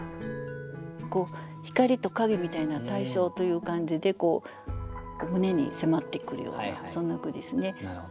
光と影みたいな対照という感じで胸に迫ってくるようなそんな句ですね。